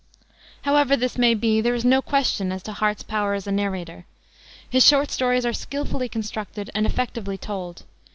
However this may be, there is no question as to Harte's power as a narrator. His short stories are skillfully constructed and effectively told.